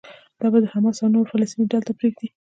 دا به حماس او نورو فلسطيني ډلو ته پرېږدي.